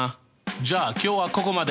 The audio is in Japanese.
じゃあ今日はここまで！